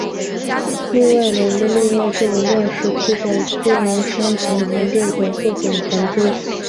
另外两个例外是冷战时期的苏联商船船队的各种船只。